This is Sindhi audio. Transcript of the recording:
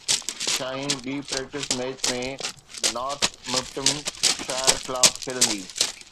شاهين ٻي پريڪٽس ميچ ۾ نارٿمپٽن شائر خلاف کيڏندي